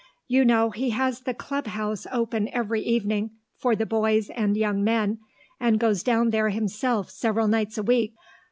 You know he has the Club House open every evening for the boys and young men, and goes down there himself several nights a week.